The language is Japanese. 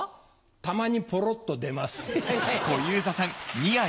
たまにポロっと出ます。